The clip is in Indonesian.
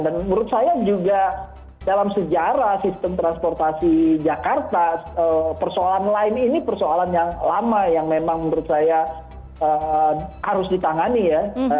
dan menurut saya juga dalam sejarah sistem transportasi jakarta persoalan line ini persoalan yang lama yang memang menurut saya harus ditangani ya